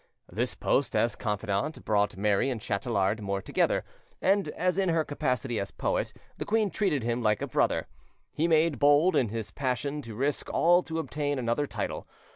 This post as confidant brought Mary and Chatelard more together; and, as in her capacity as poet, the queen treated him like a brother, he made bold in his passion to risk all to obtain another title.